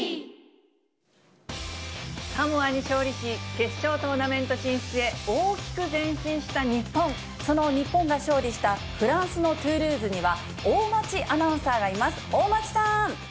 サモアに勝利し、決勝トーナメント進出へ、その日本が勝利したフランスのトゥールーズには、大町アナウンサーがいます。